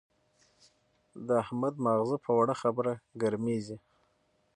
د احمد ماغزه په وړه خبره ګرمېږي.